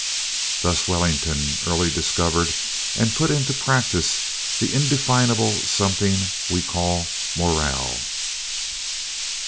Thus Wellington early discovered and put into practise that indefinable something we call "morale."